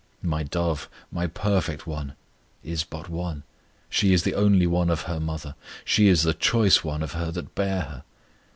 My dove, My perfect one, is but one; She is the only one of her mother; She is the choice one of her that bare her.